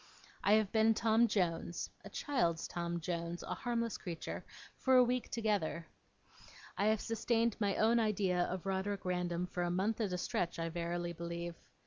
I have been Tom Jones (a child's Tom Jones, a harmless creature) for a week together. I have sustained my own idea of Roderick Random for a month at a stretch, I verily believe.